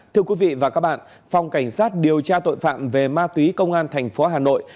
thưa quý vị và các bạn phòng cảnh sát điều tra tội phạm về ma túy công an thành phố hà nội